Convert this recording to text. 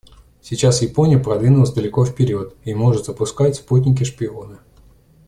Сейчас Япония продвинулась далеко вперед и может запускать спутники-шпионы.